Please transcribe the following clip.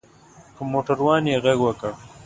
په موټر وان یې غږ وکړ.